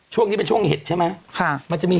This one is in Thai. ช่วงนี้เป็นช่วงเห็ดใช่ไหมมันจะมี